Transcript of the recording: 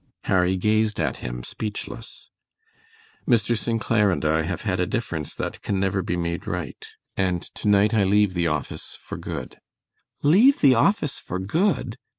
Harry gazed at him speechless. "Mr. St. Clair and I have had a difference that can never be made right, and to night I leave the office for good." "Leave the office for good?